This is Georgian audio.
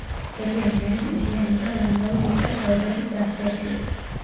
რეგიონი არის მთიანი და უამრავი ვიწრო ხეობებით დასერილი.